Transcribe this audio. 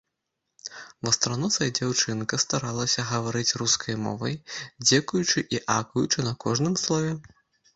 Вастраносая дзяўчынка старалася гаварыць рускаю мовай, дзекаючы і акаючы на кожным слове.